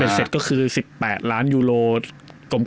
เป็นเสร็จคือ๑๘ล้านยูโรเหม่ง